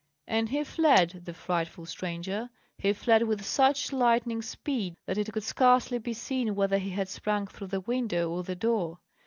And he fled, the frightful stranger, he fled with such lightning speed, that it could scarcely be seen whether he had sprung through the window or the door.